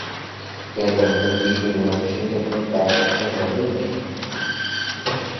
কেন, খুকি কি মধুসূদনের পাটখাটা মজুর?